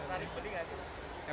tertarik beli gak sih